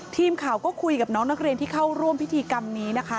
ทีมข่าวก็คุยกับน้องนักเรียนที่เข้าร่วมพิธีกรรมนี้นะคะ